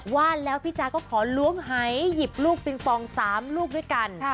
ว่าแล้วพี่จ๊ะก็ขอล้วงหายหยิบลูกปิงปอง๓ลูกด้วยกัน